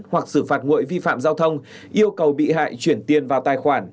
hoặc xử phạt nguội vi phạm giao thông yêu cầu bị hại chuyển tiền vào tài khoản